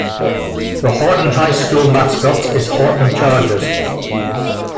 The Horton High School mascot is Horton Chargers.